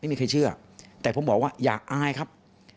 ไม่มีใครเชื่อแต่ผมบอกว่าอย่าอายครับ